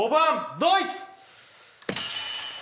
ドイツ！